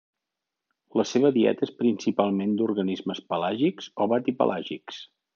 La seva dieta és principalment d'organismes pelàgics o batipelàgics.